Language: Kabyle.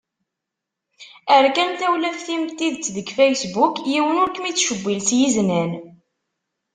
Err kan tawlaft-im n tidet deg Facebook, yiwen ur kem-ittcewwil s yiznan.